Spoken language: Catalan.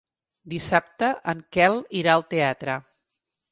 Dissabte en Quel irà al teatre.